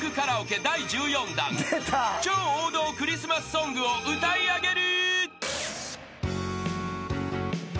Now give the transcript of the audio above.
［超王道クリスマスソングを歌い上げる］